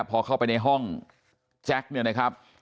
พอเข้าไปในห้องแจ็คเนี่ยนะครับ